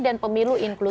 dan pemilu inklusif